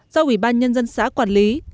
do ủy ban nhân dân xã quản lý